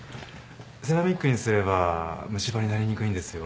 セラミックにすれば虫歯になりにくいんですよ。